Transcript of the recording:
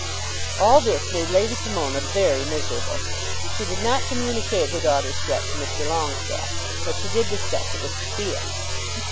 All this made Lady Pomona very miserable. She did not communicate her daughter's threat to Mr. Longestaffe, but she did discuss it with Sophia.